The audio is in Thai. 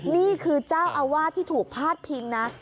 นี่คือเจ้าอาวาสที่ถูกพาดพิงนะ